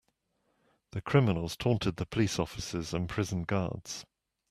The criminals taunted the police officers and prison guards.